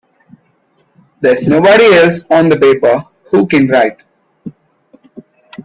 There's nobody else on the paper who can write!